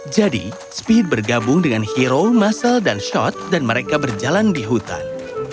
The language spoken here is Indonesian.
jadi speed bergabung dengan hero muscle dan shot dan mereka berjalan di hutan